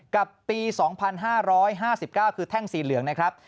กับปี๒๕๕๙คือแท่งสีเหลืองนะครับ